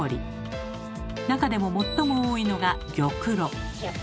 なかでも最も多いのが玉露。